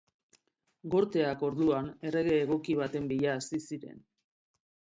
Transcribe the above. Gorteak orduan errege egoki baten bila hasi ziren.